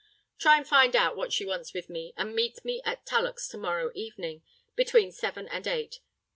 Try and find out what she wants with me, and meet me at Tullock's to morrow evening, between seven and eight.